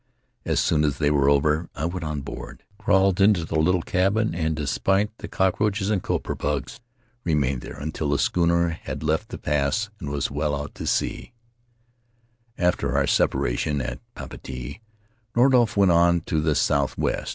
As soon as they were over I went on board, crawled into the little cabin and, despite the cockroaches and copra bugs, remained there until the schooner had left the pass and was well out to sea. Faerv Lands of the South Seas After our separation at Papeete, Nordhoff went on to the southwest.